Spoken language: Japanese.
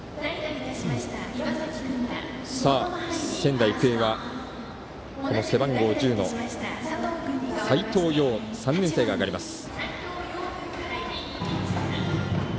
仙台育英は、背番号１０の斎藤蓉３年生が上がります。